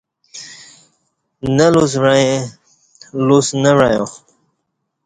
نہ لُس وعیں لُس نہ وعیاں